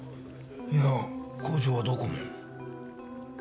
いや工場はどこも。